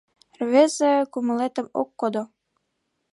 Рвезе кумылетым ок кодо.